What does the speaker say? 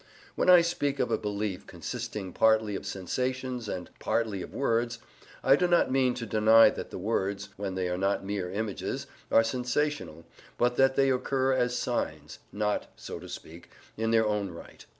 When I speak of a belief consisting partly of sensations and partly of words, I do not mean to deny that the words, when they are not mere images, are sensational, but that they occur as signs, not (so to speak) in their own right.